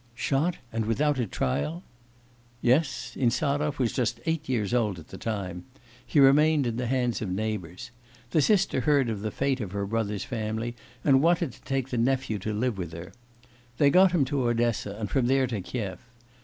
'Shot, and without a trial?' 'Yes. Insarov was just eight years old at the time. He remained in the hands of neighbours. The sister heard of the fate of her brother's family, and wanted to take the nephew to live with her. They got him to Odessa, and from there to Kiev.